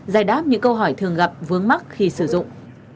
giải đáp những câu hỏi thường gặp vướng mắt khi sử dụng